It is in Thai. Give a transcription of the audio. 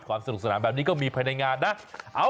สนุกสนานแบบนี้ก็มีภายในงานนะ